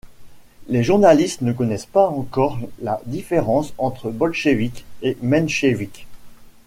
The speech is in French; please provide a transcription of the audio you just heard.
Les journalistes ne connaissent pas encore la différence entre bolcheviques et mencheviques.